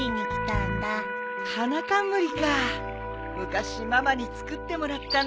昔ママに作ってもらったなあ。